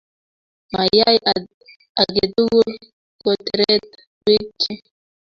mayay aketugul koteret biik chii.